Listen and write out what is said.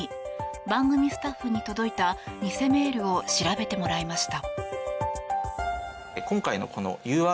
番組スタッフに届いた偽メールを調べてもらいました。